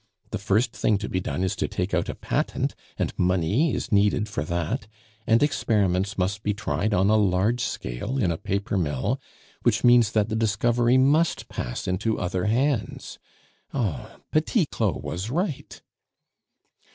The first thing to be done is to take out a patent, and money is needed for that and experiments must be tried on a large scale in a paper mill, which means that the discovery must pass into other hands. Oh! Petit Claud was right!"